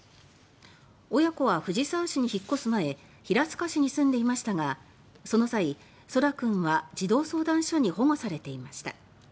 親子は藤沢市に引っ越す前平塚市に住んでいましたがその際、空来君は児童相談所に保護されていました。